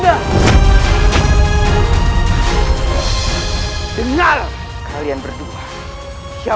jangan masuk semuanya ke arah saya